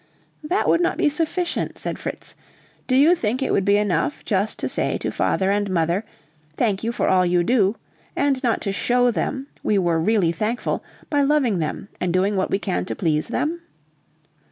'" "That would not be sufficient," said Fritz. "Do you think it would be enough, just to say to father and mother: 'Thank you for all you do,' and not to show them we were really thankful, by loving them and doing what we can to please them?"